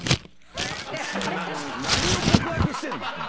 何を告白してんの⁉